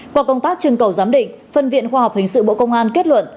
qua công tác chưng cầu giám định phân viện khoa học hình sự bộ công an kết luận